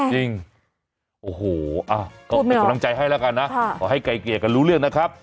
จริงโอ้โหก็เป็นกำลังใจให้แล้วกันนะขอให้ไกลเกลี่ยกันรู้เรื่องนะครับ